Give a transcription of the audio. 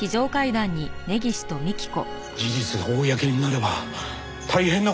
事実が公になれば大変な事になるんだ。